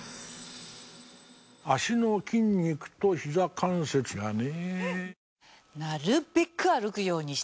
脚の筋肉とひざ関節がね。